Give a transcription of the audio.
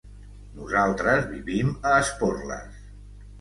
Nosaltres vivim a Esporles.